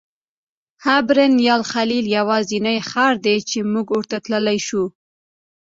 حبرون یا الخلیل یوازینی ښار دی چې موږ ورته تللی شو.